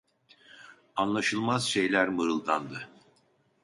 Anlaşılmaz şeyler mırıldandı.